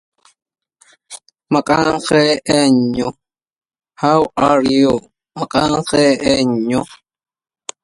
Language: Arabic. اسقنا إن يومنا يوم رام